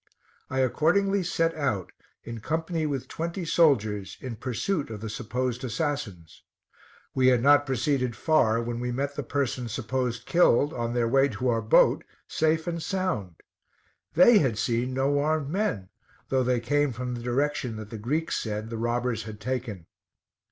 I accordingly set out, in company with twenty soldiers, in pursuit of the supposed assassins. We had not proceeded far when we met the persons supposed killed, on their way to our boat, safe and sound. They had seen no armed men, though they came from the direction that the Greeks said the robbers had taken.